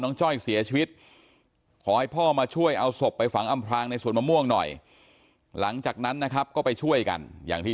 ที่ท่านได้เห็นข่อนมูลนั้นสักครู่